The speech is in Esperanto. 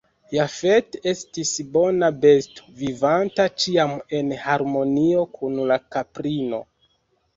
Jafet estis bona besto, vivanta ĉiam en harmonio kun la kaprino.